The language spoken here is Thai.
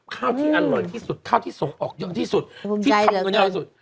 ข้าวที่อร่อยที่สุดข้าวที่ส่งออกเยอะที่สุดที่ทำเงินเยอะที่สุด